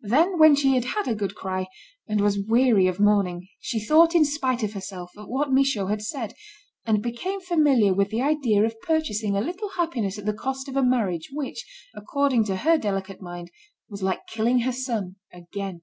Then, when she had had a good cry, and was weary of mourning, she thought, in spite of herself, of what Michaud had said, and became familiar with the idea of purchasing a little happiness at the cost of a marriage which, according to her delicate mind, was like killing her son again.